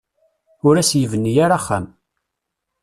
Ur as-yebni ara axxam.